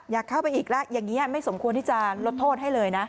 อยากเข้าไปอีกแล้วอย่างนี้ไม่สมควรที่จะลดโทษให้เลยนะ